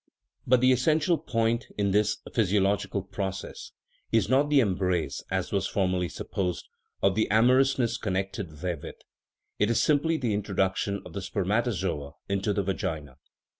But the essential point in this physiological process is not the " embrace/' as was formerly supposed, or the amorousness connected there with ; it is simply the introduction of the spermatozoa into the vagina.